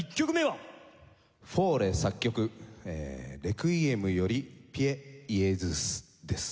フォーレ作曲『レクイエム』より『ピエ・イエズス』です。